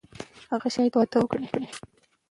هغه شاید واده وکړي.